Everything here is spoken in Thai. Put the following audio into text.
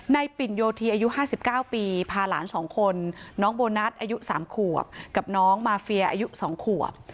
ปิ่นโยธีอายุ๕๙ปีพาหลาน๒คนน้องโบนัสอายุ๓ขวบกับน้องมาเฟียอายุ๒ขวบ